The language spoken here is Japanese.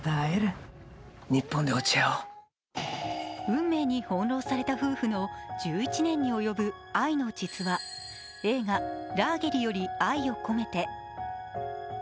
運命に翻弄された夫婦の１１年に及ぶ愛の実話、映画「ラーゲリより愛を込めて」。